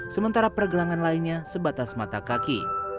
sementara pergelangan lainnya sebatas mata kaki